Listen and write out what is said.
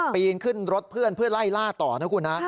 ปีนขึ้นรถเพื่อนเพื่อไล่ล่าต่อนะคุณนะ